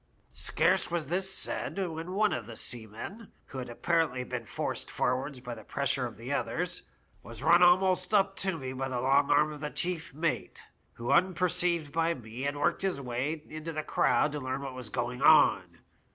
" Scarce was this said, when one of the seamen, who had apparently been forced forwards by the pressure of the others, was run almost up to me by the long arm of the chief mate, who, unperceived by me, had worked his way into the crowd to learn what was going on.